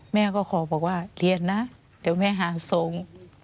แม่ก็ขอบอกว่าเรียนนะเดี๋ยวแม่หาทรง